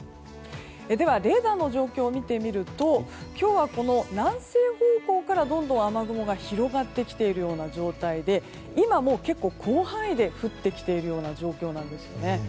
レーダーの状況を見てみると今日は南西方向からどんどん雨雲が広がってきている状態で今も結構、広範囲で降ってきている状況なんですね。